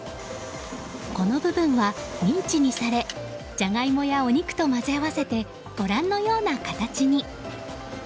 この部分はミンチされジャガイモやお肉と混ぜ合わせてご覧のような形に。